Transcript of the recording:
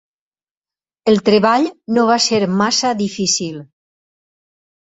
El treball no va ser massa difícil.